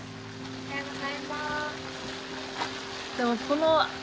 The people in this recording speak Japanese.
おはようございます。